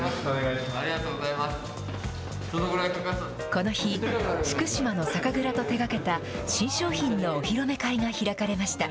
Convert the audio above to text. この日、福島の酒蔵と手がけた新商品のお披露目会が開かれました。